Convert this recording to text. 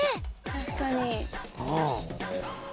確かに。